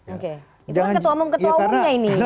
oke itu kan ketua umum ketua umumnya ini